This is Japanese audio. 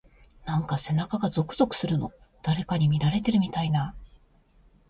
なんか背中がゾクゾクするの。誰かに見られてるみたいな…。